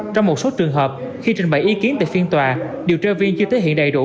trong một số trường hợp khi trình bày ý kiến tại phiên tòa điều tra viên chưa thể hiện đầy đủ